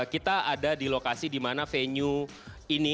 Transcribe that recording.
kita ada di lokasi di mana venue ini